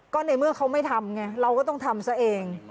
ก็ในเมื่อเขาไม่ทำไงเราก็ต้องทำซะเอง